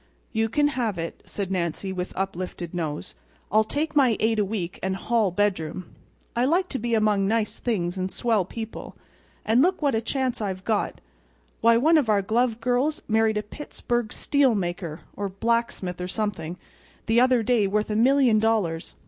"You can have it," said Nancy, with uplifted nose. "I'll take my eight a week and hall bedroom. I like to be among nice things and swell people. And look what a chance I've got! Why, one of our glove girls married a Pittsburg—steel maker, or blacksmith or something—the other day worth a million dollars.